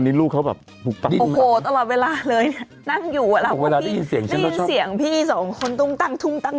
เวลาได้ยินเสียงฉันก็ชอบเพราะว่าพี่ได้ยินเสียงพี่สองคนตุ้งตัง